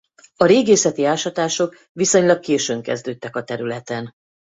A régészeti ásatások viszonylag későn kezdődtek a területen.